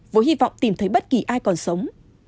với hy vọng tìm thấy bất kỳ ai còn sống